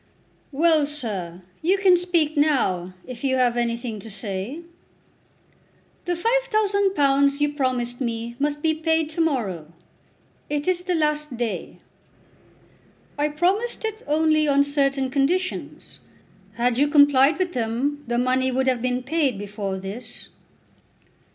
"Well, sir; you can speak now, if you have anything to say." "The £5000 you promised me must be paid to morrow. It is the last day." "I promised it only on certain conditions. Had you complied with them the money would have been paid before this."